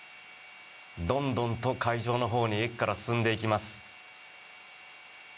どんどんと会場のほうに駅から進んでいきます。